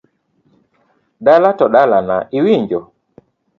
Dala to dalana iwinjo.